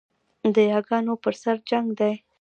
د یاګانو پر سر جنګ دی